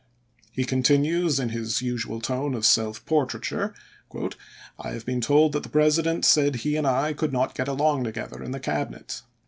He continues in his usual tone of self portraiture :" I have been told that the Presi dent said he and I could not get along together in the Cabinet.